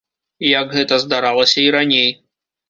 Як гэта здаралася і раней.